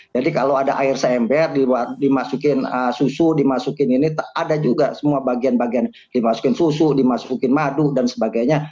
jadi kalau ada air seember dimasukin susu dimasukin ini ada juga semua bagian bagian dimasukin susu dimasukin madu dan sebagainya